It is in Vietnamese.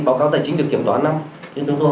và có những cái kiến nghị